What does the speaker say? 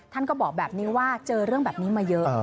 ท่านก็บอกแบบนี้ว่าเจอเรื่องแบบนี้มาเยอะ